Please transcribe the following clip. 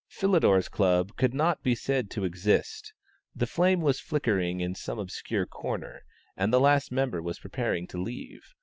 Philidor's Club could not be said to exist; the flame was flickering in some obscure corner, and the last member was preparing to leave.